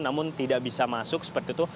namun tidak bisa masuk seperti itu